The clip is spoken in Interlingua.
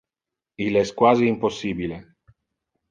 Il es quasi impossibile.